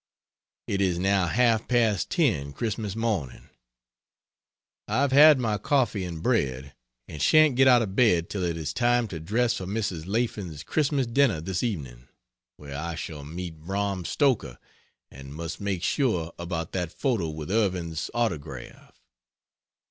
It is now half past 10 Xmas morning; I have had my coffee and bread, and shan't get out of bed till it is time to dress for Mrs. Laflan's Christmas dinner this evening where I shall meet Bram Stoker and must make sure about that photo with Irving's autograph.